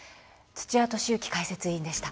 土屋敏之解説委員でした。